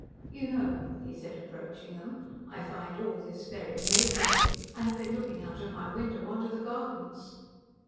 "You know," he said, approaching them, "I find all this very amazing. I have been looking out of my window on to the gardens."